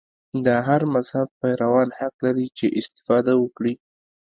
د هر مذهب پیروان حق لري چې استفاده وکړي.